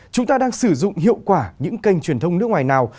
chúng ta đang sử dụng hiệu quả những kênh truyền thông nước ngoài nào